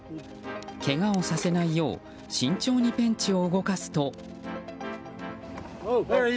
けがをさせないよう慎重にペンチを動かすと。